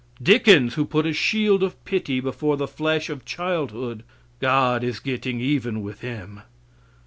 Dickens, who put a shield of pity before the flesh of childhood God is getting even with him.